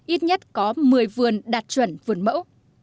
ít nhất có một mươi vườn đạt chuẩn vườn mẫu